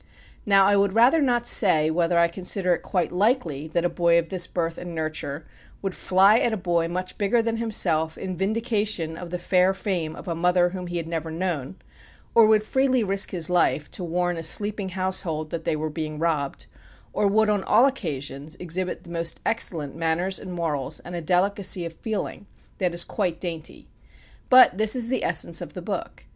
Now I would rather not say whether I consider it quite likely that a boy of this birth and nurture would fly at a boy much bigger than himself in vindication of the fair fame of a mother whom he had never known, or would freely risk his life to warn a sleeping household that they were being robbed, or would, on all occasions, exhibit the most excellent manners and morals, and a delicacy of feeling that is quite dainty. But this is the essence of the book.